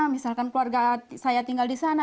misalkan keluarga saya tinggal di sana